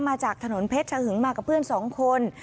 มาจากถนนเพชรเฉียงมากับเพื่อน๒คน